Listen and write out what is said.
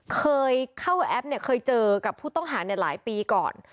เคยเข้าแอปเนี่ยเคยเจอกับผู้ต้องหาในหลายปีก่อน